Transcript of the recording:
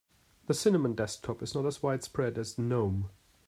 The cinnamon desktop is not as widespread as gnome.